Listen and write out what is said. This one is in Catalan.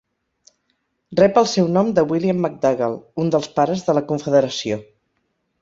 Rep el seu nom de William McDougall, un dels pares de la Confederació.